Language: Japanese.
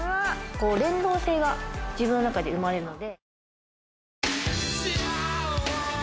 連動性が自分の中で生まれるので。